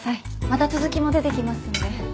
また続きも出てきますんで。